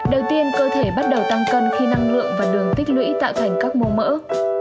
đầu tiên cơ thể bắt đầu tăng cân khi năng lượng và đường tích lũy tạo thành các mông mỡ